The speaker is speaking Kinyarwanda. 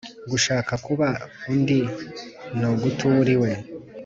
gushaka kuba undi ni uguta uwo uriwe.